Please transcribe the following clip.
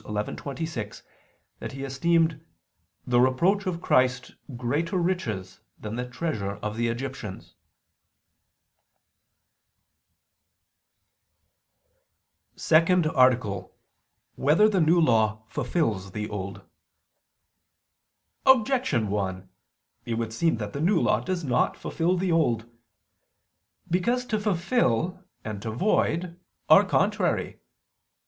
11:26) that he esteemed "the reproach of Christ greater riches than the treasure of the Egyptians." ________________________ SECOND ARTICLE [I II, Q. 107, Art. 2] Whether the New Law Fulfils the Old? Objection 1: It would seem that the New Law does not fulfil the Old. Because to fulfil and to void are contrary.